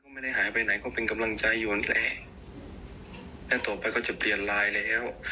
ไม่ได้หายไปไหนก็เป็นกำลังใจอยู่นั่นแหละแล้วต่อไปก็จะเปลี่ยนไลน์แล้ว